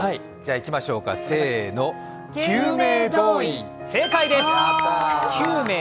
いきましょうか、せーの、救命胴衣。